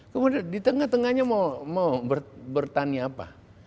kemudian di tengah tengahnya mau bertani apa